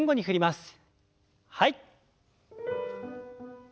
はい。